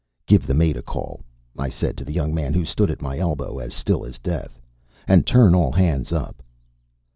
"Give the mate a call," I said to the young man who stood at my elbow as still as death. "And turn all hands up."